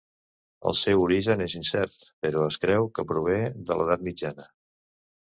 El seu origen és incert, però es creu que prové de l'edat mitjana.